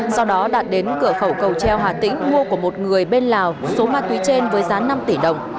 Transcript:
sau đó đạt đến cửa khẩu cầu treo hà tĩnh mua của một người bên lào số ma túy trên với giá năm tỷ đồng